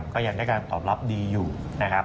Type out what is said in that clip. ก็ยังได้การตอบรับดีอยู่นะครับ